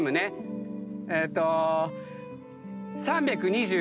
えっと。